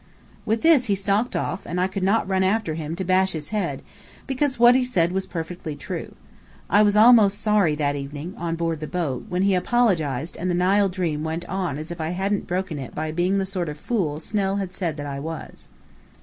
With this he stalked off, and I could not run after him to bash his head, because what he said was perfectly true. I was almost sorry that evening, on board the boat, when he apologized and the Nile dream went on as if I hadn't broken it by being the sort of fool Snell had said that I was.